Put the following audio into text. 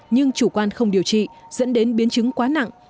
nhưng chủ quan không điều trị dẫn đến biến chứng quá nặng